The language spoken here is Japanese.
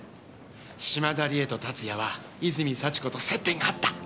嶋田理恵と龍哉は泉幸子と接点があった。